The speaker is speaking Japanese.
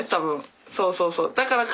そうそうそう。